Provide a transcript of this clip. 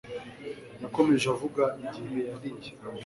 Yakomeje avuga igihe yariye.